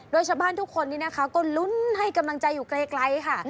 โดยชาวบ้านทุกคนนี้นะคะก็ลุ้นให้กำลังใจอยู่ไกลค่ะ